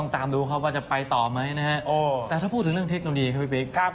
ตามดูครับว่าจะไปต่อไหมนะฮะแต่ถ้าพูดถึงเรื่องเทคโนโลยีครับพี่บิ๊ก